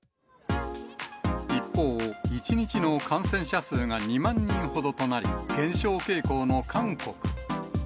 一方、１日の感染者数が２万人ほどとなり、減少傾向の韓国。